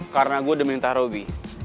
karena gue udah minta robby